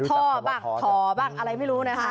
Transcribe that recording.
ท้อบ้างอะไรไม่รู้นะครับ